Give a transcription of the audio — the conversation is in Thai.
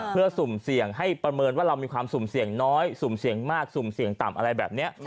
เพื่อสุ่มเสี่ยงให้ประเมินว่าเรามีความสุ่มเสี่ยงน้อยสุ่มเสี่ยงมากสุ่มเสี่ยงต่ำอะไรแบบนี้